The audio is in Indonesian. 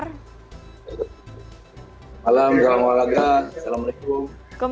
selamat malam salam olahraga assalamualaikum